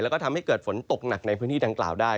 แล้วก็ทำให้เกิดฝนตกหนักในพื้นที่ดังกล่าวได้